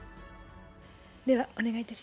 ではお願いいたします。